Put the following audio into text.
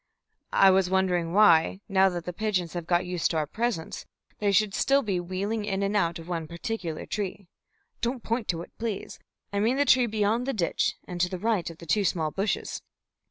"I was wondering why, now that the pigeons have got used to our presence, they should still be wheeling in and out of one particular tree. Don't point to it, please! I mean the tree beyond the ditch, and to the right of two small bushes."